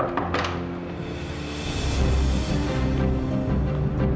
aku akan menangkanmu